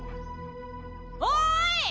おい！